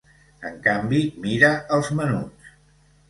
"En canvi, mira els menuts.